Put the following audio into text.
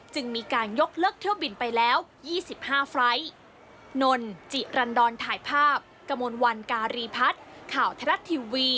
จึงมีการยกเลิกเที่ยวบินไปแล้ว๒๕ไฟล์